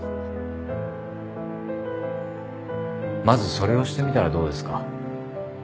まずそれをしてみたらどうですか？